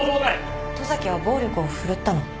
十崎は暴力を振るったの？